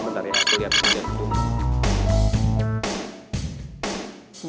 bentar ya aku liat liat dulu